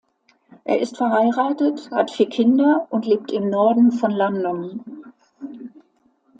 Er ist verheiratet, hat vier Kinder und lebt im Norden von London.